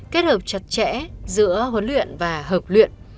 kết hợp chặt chẽ giữa huấn luyện và hợp luyện